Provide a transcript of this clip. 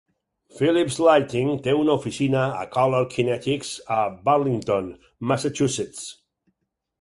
Philips Lighting té una oficina de Color Kinetics a Burlington, Massachusetts.